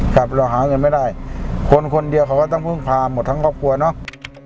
ครับเราหาเงินไม่ได้คนคนเดียวเขาก็ต้องพึ่งพาหมดทั้งครอบครัวเนาะ